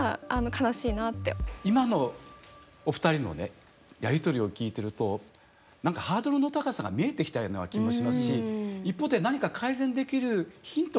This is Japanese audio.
今のお二人のねやり取りを聞いてると何かハードルの高さが見えてきたような気もしますし一方で何か改善できるヒントもあるように感じたんですけれども。